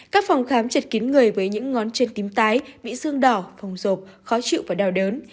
các phòng khám trật kín người với những ngón chân tím tái bị xương đỏ phòng rộp khó chịu và đau đớn